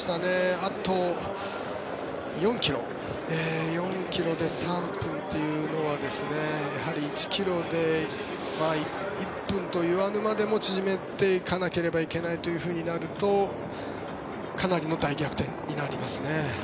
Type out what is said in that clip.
あと４ｋｍで３分というのはやはり１ｋｍで１分と言わぬまでも縮めていかなければいけないとなるとかなりの大逆転になりますね。